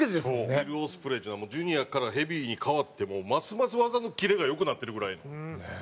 ウィル・オスプレイっていうのはジュニアからヘビーに変わってもますます技のキレが良くなってるぐらいええ。